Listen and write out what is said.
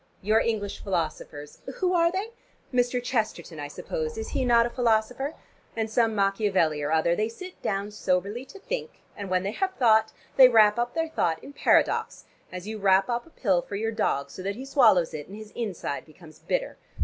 Your English philosophers who are they? Mr. Chesterton I suppose, is he not a philosopher? or some Machiavelli or other, they sit down soberly to think, and when they have thought they wrap up their thought in paradox, as you wrap up a pill for your dog, so that he swallows it, and his inside becomes bitter.